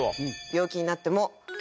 病気になっても。